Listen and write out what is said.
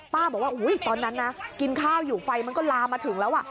บอกว่าตอนนั้นนะกินข้าวอยู่ไฟมันก็ลามมาถึงแล้ว